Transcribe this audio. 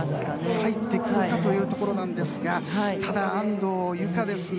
入ってくるかというところなんですがただ、安藤友香ですね。